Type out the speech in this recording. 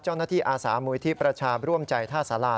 เจ้าหน้าที่อาสามูยที่ประชาบร่วมใจท่าศาลา